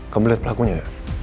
kamu lihat pelakunya